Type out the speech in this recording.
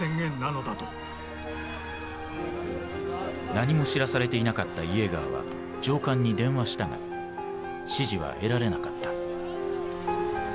何も知らされていなかったイエーガーは上官に電話したが指示は得られなかった。